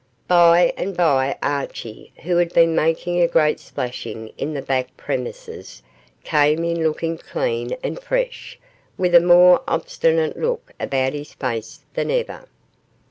By and bye Archie, who had been making a great splashing in the back premises, came in looking clean and fresh, with a more obstinate look about his face than ever.